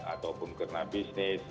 ataupun karena bisnis